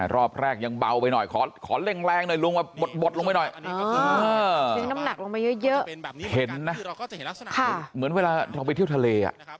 รอบแรกยังเบาไปหน่อยขอแรงลงมาบดลงไปหน่อยเห็นนะเหมือนเวลาเราไปเที่ยวทะเล